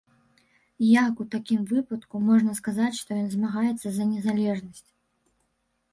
Як у такім выпадку можна сказаць, што ён змагаецца за незалежнасць?